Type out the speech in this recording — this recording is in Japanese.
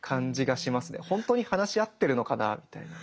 本当に話し合ってるのかなみたいな。